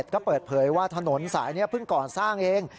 ก็เปิดเผยว่าถนนสายนี้เพิ่งก่อสร้างเอง